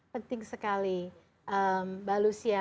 penting sekali mbak lucia